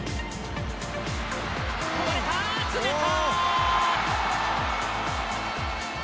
こぼれた、詰めた！